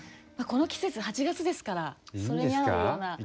この季節８月ですからそれに合うような。